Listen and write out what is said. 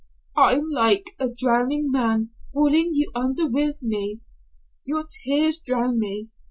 "I'm like a drowning man pulling you under with me. Your tears drown me.